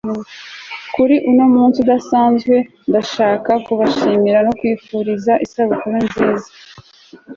kuri uyumunsi udasanzwe, ndashaka kubashimira no kwifuriza isabukuru nziza